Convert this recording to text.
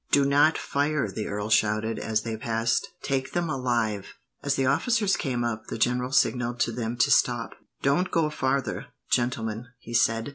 "Do not fire," the earl shouted as they passed. "Take them alive." As the officers came up, the general signalled to them to stop. "Don't go farther, gentlemen," he said.